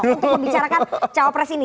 untuk membicarakan cawapres ini